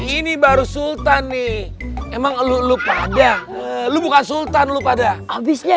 ini baru sultan nih emang lu lu pada lu bukan sultan lu pada habisnya